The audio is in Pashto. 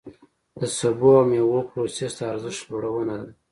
د سبو او مېوو پروسس د ارزښت لوړونه ده.